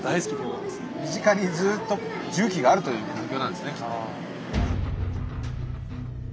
身近にずっと重機があるという環境なんですねきっと。